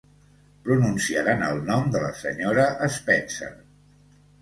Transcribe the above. Pronunciaren el nom de la senyora Spencer.